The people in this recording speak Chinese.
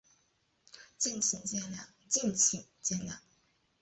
敬请见谅